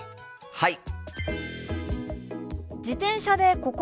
はい！